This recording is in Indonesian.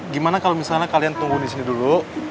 gimana kalau misalnya kalian tunggu disini dulu